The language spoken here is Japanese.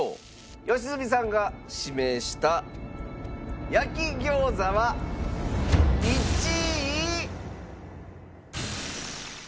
良純さんが指名した焼餃子は１位。